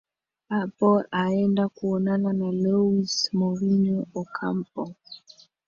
apo aenda kuonana na louis moreno ocampo